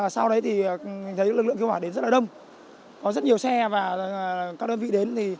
sau đấy lực lượng cứu hỏa đến rất đông có rất nhiều xe và các đơn vị đến